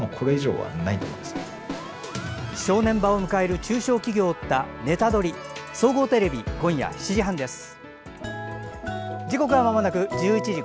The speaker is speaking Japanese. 正念場を迎える中小企業を追った「ネタドリ！」総合テレビ、今夜７時半です。